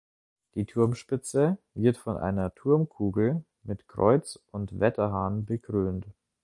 Die Turmspitze wird von einer Turmkugel mit Kreuz und Wetterhahn bekrönt.